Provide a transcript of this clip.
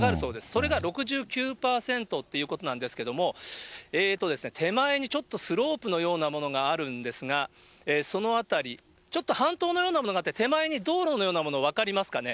それが６９％ということなんですけれども、手前にちょっとスロープのようなものがあるんですが、その辺り、ちょっと半島のようなものがあって、手前に道路のようなもの、分かりますかね。